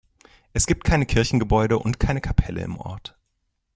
Es gibt kein Kirchengebäude und keine Kapelle im Ort.